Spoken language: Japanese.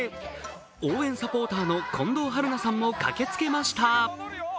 応援サポーターの近藤春菜さんも駆けつけました。